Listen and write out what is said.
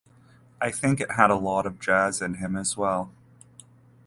I think it had a lot of jazz in him as well.